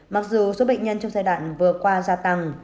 mặc dù số bệnh nhân trong giai đoạn vừa qua gia tăng